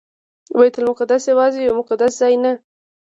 بیت المقدس یوازې یو مقدس ځای نه.